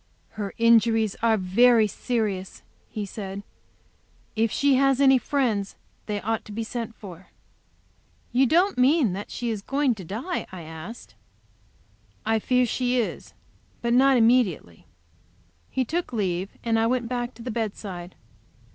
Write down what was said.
"Her injuries are very serious," he said. "If she has any friends, they ought to be sent for." "You don't mean that she is going to die?" I asked. "I fear she is. But not immediately." He took leave, and I went back to the bedside.